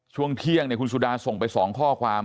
ช่วงเที่ยงคุณสุดาส่งไป๒ข้อความ